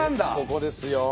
ここですよ。